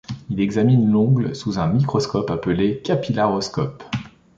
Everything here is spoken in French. Il examine l'ongle sous un microscope appelé capillaroscope.